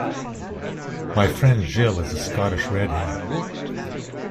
My friend Gill is a Scottish redhead.